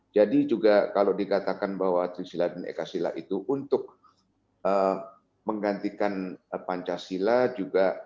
jadi juga kalau dikatakan bahwa tri sila dan eka sila itu untuk menggantikan pancasila juga